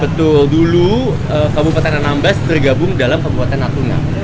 betul dulu kabupaten anambas tergabung dalam kabupaten natuna